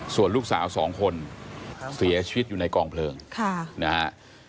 ส่วนลูกสาวสองคนเสียชีวิตอยู่ในกองเพลิงนะฮะ